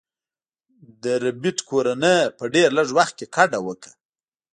د ربیټ کورنۍ په ډیر لږ وخت کې کډه وکړه